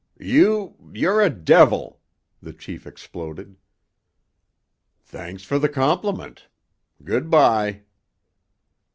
"You—you're a devil!" the chief exploded. "Thanks for the compliment! Good by!"